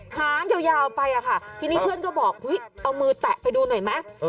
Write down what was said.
หางยาวไปอะค่ะทีนี้เพื่อนก็บอกเอามือแตะไปดูหน่อยไหม